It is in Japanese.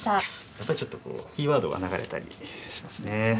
やっぱりちょっとこうキーワードが流れたりしますね。